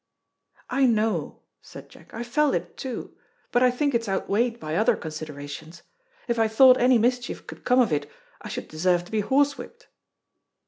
"I know," said Jack, "I've felt it too. But I think it's outweighed by other considerations. If I thought any mischief could come of it, I should deserve to be horse whipped."